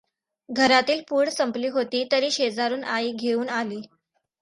घरातील पूड संपली होती; तरी शेजारून आई घेऊन आली.